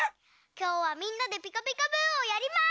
きょうはみんなで「ピカピカブ！」をやります！